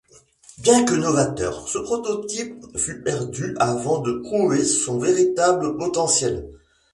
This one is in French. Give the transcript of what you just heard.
Bien que novateur, ce prototype fut perdu avant de prouver son véritable potentiel.